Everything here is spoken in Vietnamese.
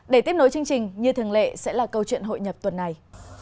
để tiếp nối chương trình như thường lệ sẽ là câu chuyện hội nhập tuần này